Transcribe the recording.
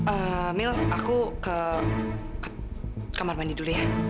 eh mil aku ke kamar mandi dulu ya